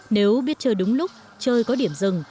nếu biết chơi đúng lúc chơi có điểm dừng